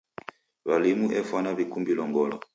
W'alimu efwana w'ikumbilo ngolo.